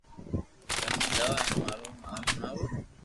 ڪنو جاو ھين مارو ھال ھڻاوو